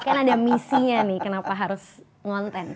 kan ada misinya nih kenapa harus ngonten